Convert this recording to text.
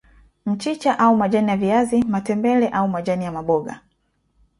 Mchicha au majani ya viazi matembele au majani ya maboga